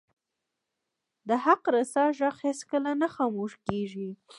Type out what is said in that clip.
د حق رسا ږغ هیڅکله نه خاموش کیږي